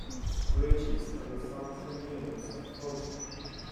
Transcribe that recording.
Riches are the sumpter mules of fortune.